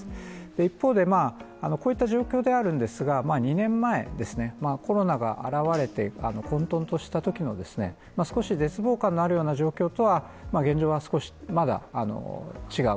一方でこういった状況であるんですが２年前ですね、コロナが現れてあの混沌としたときのですね、少し絶望感のあるような状況とは現状は少しまだ違う。